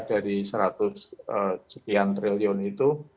dari seratus sekian triliun itu